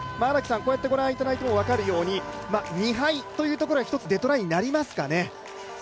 こうやってご覧いただいても分かるように２敗というところが一つデッドラインになりますかね。